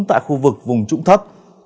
tại khu vực vùng trụng thất